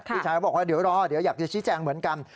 พี่ชายก็บอกว่าเดี๋ยวรอเดี๋ยวอยากจะชี้แจงเหมือนกัน